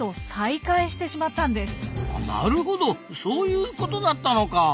なるほどそういうことだったのか。